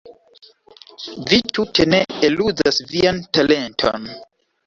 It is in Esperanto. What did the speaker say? Vi tute ne eluzas vian talenton.